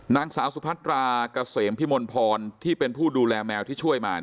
นางสาวสุพัตราเกษมพิมลพรที่เป็นผู้ดูแลแมวที่ช่วยมา